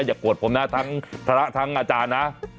อย่าโกรธผมนะทั้งพระทั้งอาจารย์นะ